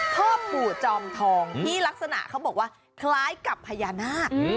พ่อปู่จอมทองที่ลักษณะเขาบอกว่าคล้ายกับพญานาค